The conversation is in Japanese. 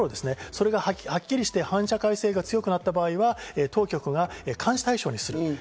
それがはっきりして反社会性が強くなった場合は、当局が監視対象にする。